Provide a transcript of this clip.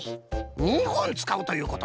２ほんつかうということね。